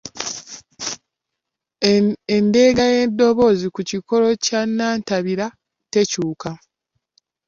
Endeega y’eddoboozi ku kikolo kya nnantabira tekyuka